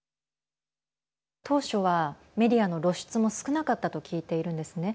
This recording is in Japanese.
当初は、メディアの露出も少なかったと聞いているんですね。